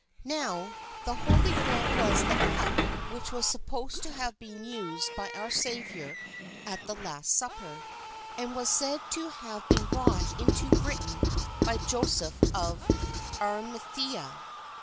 Now, the Holy Grail was the cup which was supposed to have been used by our Saviour at the Last Supper, and was said to have been brought into Britain by Joseph of Arimathea.